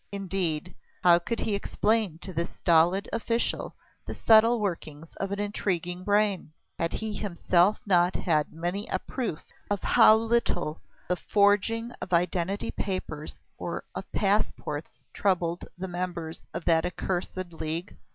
Indeed, how could he explain to this stolid official the subtle workings of an intriguing brain? Had he himself not had many a proof of how little the forging of identity papers or of passports troubled the members of that accursed League?